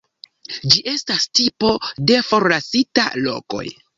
Ĝi estas tipo de forlasita lokoj.